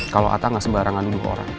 kalo ata gak sembarangan nuduh orang